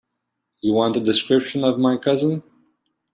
You want a description of my cousin?